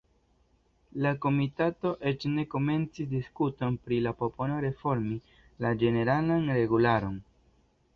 La komitato eĉ ne komencis diskuton pri la propono reformi la ĝeneralan regularon.